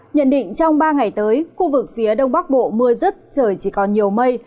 nhận định trong ba ngày tới khu vực phía đông bắc bộ mưa rứt trời chỉ còn nhiều mây